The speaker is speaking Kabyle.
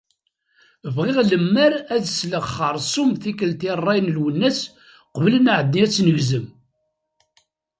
Bɣiɣ lemmer ad sleɣ xersum tikelt i rray n Lwennas qbel ad nεeddi ad tt-nezgem.